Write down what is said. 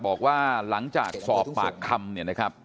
บอกว่าหลังจากสอบปากคำเนี่ยนะครับ